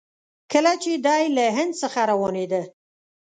کله چې دی له هند څخه روانېده.